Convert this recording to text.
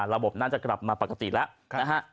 ระบบน่าจะกลับมาปกติแล้วนะฮะ